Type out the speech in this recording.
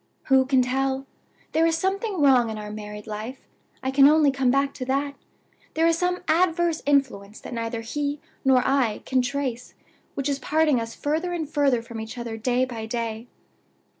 "Who can tell? There is something wrong in our married life I can only come back to that. There is some adverse influence that neither he nor I can trace which is parting us further and further from each other day by day.